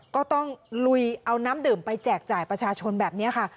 ก็ต้องลุยเอาน้ำดื่มไปแจกจ่ายประชาชนแบบนี้ค่ะ